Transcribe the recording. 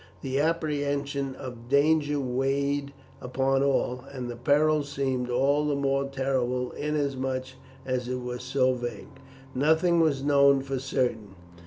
The apprehension of danger weighted upon all, and the peril seemed all the more terrible inasmuch as it was so vague. Nothing was known for certain.